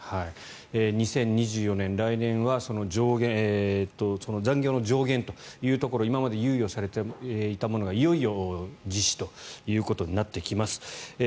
２０２４年、来年は残業の上限というところ今まで猶予されていたものがいよいよ実施ということになってきます。